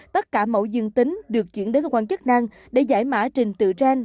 tất cả mẫu dương tính được chuyển đến cơ quan chức năng để giải mã trình tự gen